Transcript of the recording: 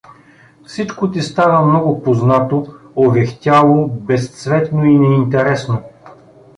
Всичко ти става много познато, овехтяло, безцветно и неинтересно.